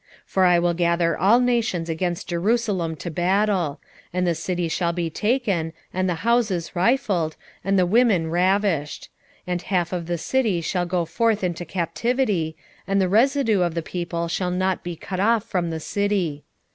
14:2 For I will gather all nations against Jerusalem to battle; and the city shall be taken, and the houses rifled, and the women ravished; and half of the city shall go forth into captivity, and the residue of the people shall not be cut off from the city.